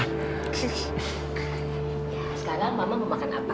ya sekarang mama mau makan apa